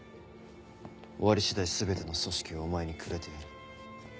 終わり次第全ての組織をお前にくれてやる。